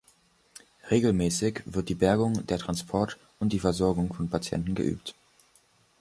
Regelmässig wird die Bergung, der Transport und die Versorgung von Patienten geübt.